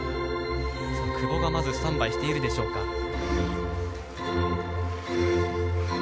久保がまずスタンバイしているでしょうか。